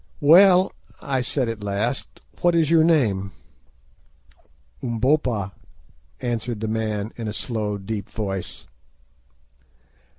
"Well," I said at last, "What is your name?" "Umbopa," answered the man in a slow, deep voice.